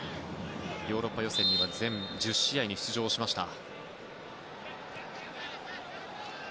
ヨーロッパ予選では全１０試合に出場しました。